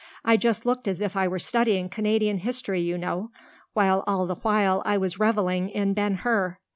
I just looked as if I were studying Canadian history, you know, while all the while I was reveling in Ben Hur.